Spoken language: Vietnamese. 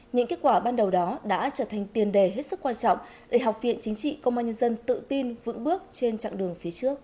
những kết quả ban đầu đó đã trở thành tiền đề hết sức quan trọng